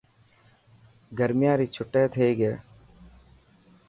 گرميان ري ڇٽي ٿي گئي.